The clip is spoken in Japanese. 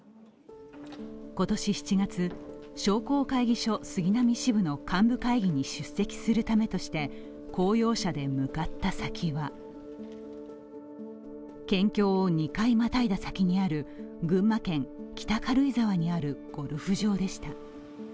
今年７月、商工会議所杉並支部の幹部会議に出席するためとして公用車で向かった先は、県境を２回またいだ先にある群馬県北軽井沢にあるゴルフ場でした。